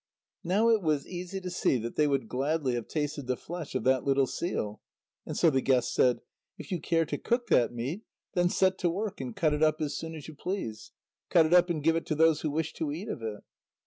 Now it was easy to see that they would gladly have tasted the flesh of that little seal. And so the guest said: "If you care to cook that meat, then set to work and cut it up as soon as you please. Cut it up and give to those who wish to eat of it."